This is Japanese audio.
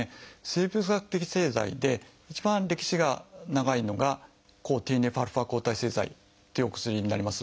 生物学的製剤で一番歴史が長いのが抗ＴＮＦ−α抗体製剤というお薬になります。